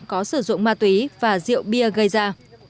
có sử dụng ma túy và rượu bia gây ra